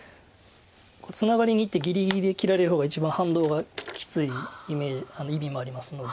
ツナがりにいってぎりぎりで切られる方が一番反動がきつい意味もありますので。